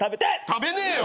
食べねえよ！